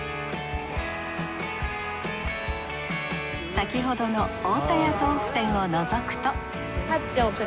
先ほどの太田屋豆腐店をのぞくと８丁。